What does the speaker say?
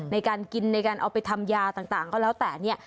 ในการกินในการเอาไปทำยาต่างก็แล้วแต่เนี่ย